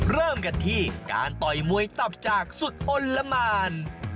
เริ่มกันที่การต่อยมวยตับจากสุดอ้นละหมาน